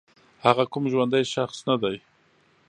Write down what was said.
هغه کوم ژوندی شخص نه دی